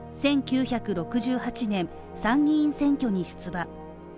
１９６８年、参議院選挙に出馬。